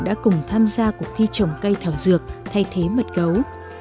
đã cùng tham gia cuộc thi trồng cây thảo dược thay thế mật gấu